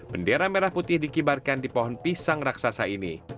bendera merah putih dikibarkan di pohon pisang raksasa ini